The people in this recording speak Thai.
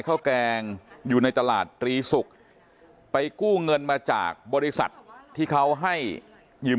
แกงอยู่ในตลาดตรีศุกร์ไปกู้เงินมาจากบริษัทที่เขาให้ยืม